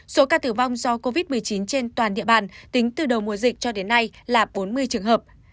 số ca tử vong do covid một mươi chín trên toàn địa bàn tính từ đầu mùa dịch cho đến nay là bốn mươi trường hợp